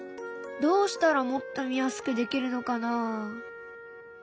どうしたらもっと見やすくできるのかな？